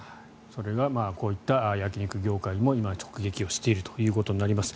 それがこういった焼き肉業界にも今、直撃しているということになります。